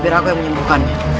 biar aku yang menyembuhkan